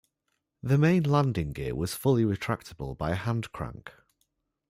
The main landing gear was fully retractable by a hand crank.